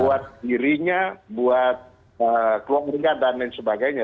buat dirinya buat keluarga dan lain sebagainya